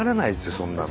そんなの。